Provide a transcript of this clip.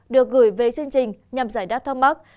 quý vị đã gửi về chương trình nhằm giải đáp thông bác